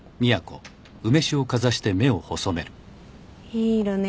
いい色ね。